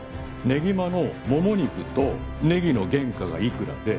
ねぎまのもも肉とネギの原価がいくらで。